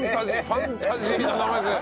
ファンタジーな名前ですね。